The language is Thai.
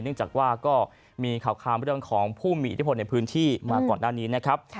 จากว่าก็มีข่าวคามเรื่องของผู้มีอิทธิพลในพื้นที่มาก่อนหน้านี้นะครับ